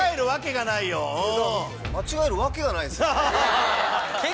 間違えるわけがないよ。